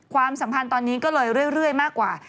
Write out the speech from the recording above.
ความสัมพันธ์ตอนนี้ก็เลยเรื่อยมากกว่า